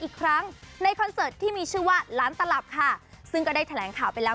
อีกครั้งในคอนเสิร์ตที่มีชื่อว่าล้านตลับค่ะซึ่งก็ได้แถลงข่าวไปแล้ว